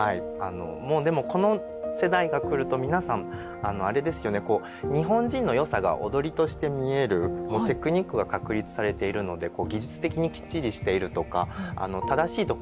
もうでもこの世代が来ると皆さんあれですよねこう日本人のよさが踊りとして見えるテクニックが確立されているので技術的にきっちりしているとか正しいところを通るとかですね